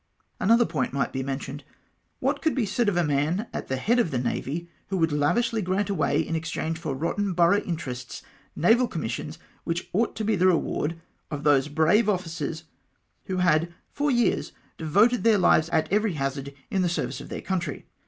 " Another point might be mentioned. What could be said of a man at the head of the Navy, who would lavishly grant away, in exchange for rotten borough interests, naval commissions which ought to be the reward of those brave officers who had for years devoted their lives at every hazard in the service of their country